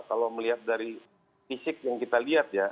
kalau melihat dari fisik yang kita lihat ya